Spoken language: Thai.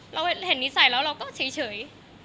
เราเห็นนิสัยแล้วเราก็เฉย